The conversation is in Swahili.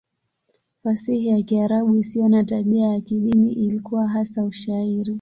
Fasihi ya Kiarabu isiyo na tabia ya kidini ilikuwa hasa Ushairi.